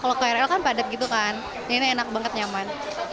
kalau ke krl kan padat gitu kan ini enak banget nyaman